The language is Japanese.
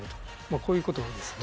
こういうことですね。